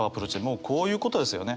もうこういうことですよね。